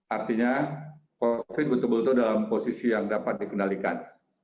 artinya covid betul betul dalam posisi yang dapat dikendalikan